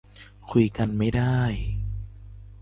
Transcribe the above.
คุยกันไม่ได้